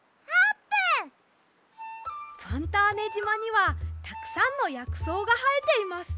ファンターネじまにはたくさんのやくそうがはえています。